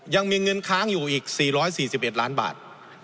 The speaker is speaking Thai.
ยังมีเงินค้างอยู่อีก๔๔๑ล้านบาท